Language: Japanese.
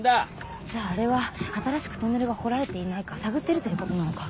じゃああれは新しくトンネルが掘られていないか探ってるということなのか？